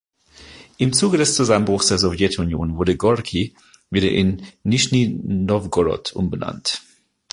Im Zuge des Zusammenbruchs der Sowjetunion wurde Gorki wieder in Nischni Nowgorod umbenannt.